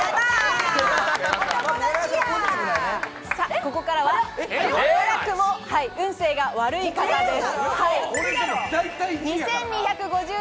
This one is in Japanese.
ここからは早くも運勢が悪い方です。